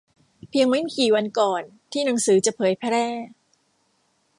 เพียงไม่กี่วันก่อนที่หนังสือจะเผยแพร่